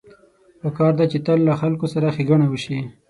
پکار ده چې تل له خلکو سره ښېګڼه وشي